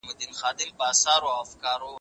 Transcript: مسلمان چي صبر وکړي، لوړيږي.